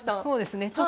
そうですね。